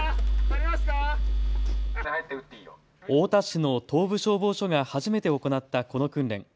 太田市の東部消防署が初めて行ったこの訓練。